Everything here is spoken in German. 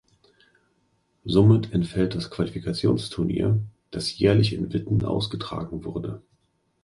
Somit entfällt das Qualifikationsturnier das jährlich in Witten ausgetragen wurde.